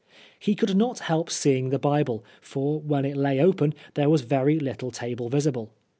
He could not help seeing the Bible, for when it lay open there was very little table visible.